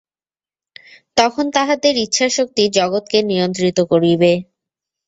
তখন তাহাদের ইচ্ছাশক্তি জগৎকে নিয়ন্ত্রিত করিবে।